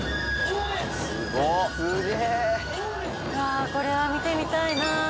わぁこれは見てみたいな。